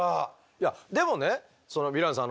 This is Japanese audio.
いやでもねそのヴィランさん